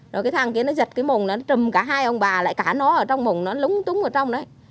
rồi cái thằng kia nó giật cái mùng nó trùm cả hai ông bà lại cả nó ở trong mùng nó lúng túng ở trong đấy